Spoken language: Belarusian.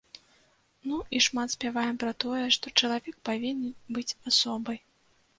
Ну і шмат спяваем пра тое, што чалавек павінен быць асобай.